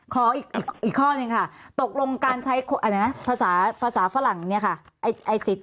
ขออีกข้อนึงค่ะตกลงการใช้ภาษาฝรั่งไอซิต